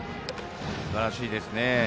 すばらしいですね。